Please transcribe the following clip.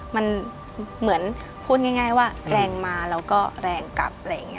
มันเหมือนพูดง่ายว่าแรงมาแล้วก็แรงกลับ